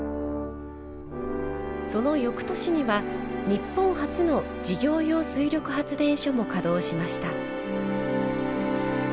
その翌年には、日本初の事業用水力発電所も稼働しました。